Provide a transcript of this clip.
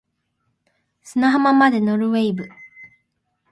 砂浜まで乗る wave